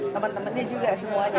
teman temannya juga semuanya